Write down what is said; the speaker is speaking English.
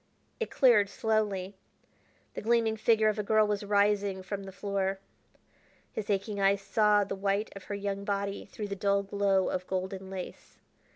It cleared slowly. The gleaming figure of a girl was rising from the floor. His aching eyes saw the white of her young body through the dull glow of golden lace.